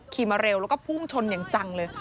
มาเร็วแล้วก็พุ่งชนอย่างจังเลย